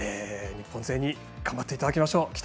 日本勢に頑張っていただきましょう。